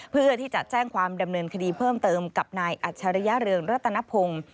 เพื่อที่จะแจ้งความดำเนินคดีเพิ่มเติมกับนายอัจฉริยเรืองรัตนพงศ์